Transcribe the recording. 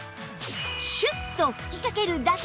シュッと吹きかけるだけ